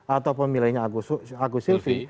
atau pemilihnya agus silvi